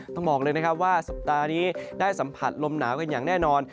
ต้องบอกเลยนะครับว่าสัปดาห์นี้ได้สัมผัสลมหนาวกันอย่างแน่นอน